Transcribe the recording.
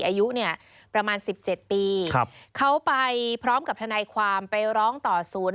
อายุเนี่ยประมาณสิบเจ็ดปีครับเขาไปพร้อมกับทนายความไปร้องต่อศูนย์